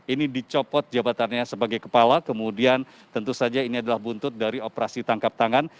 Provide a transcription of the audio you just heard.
ini dicopot jabatannya sebagai kepala kemudian tentu saja ini adalah buntut dari operasi tangkap tangan